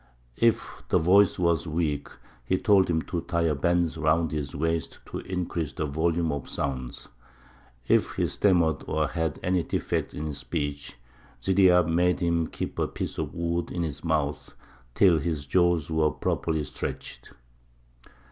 If the voice was weak, he told him to tie a band round his waist to increase the volume of sound; if he stammered or had any defect in his speech, Ziryāb made him keep a piece of wood in his mouth till his jaws were properly stretched.